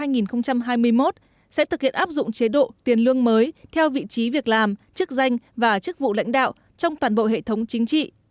năm hai nghìn hai mươi một sẽ thực hiện áp dụng chế độ tiền lương mới theo vị trí việc làm chức danh và chức vụ lãnh đạo trong toàn bộ hệ thống chính trị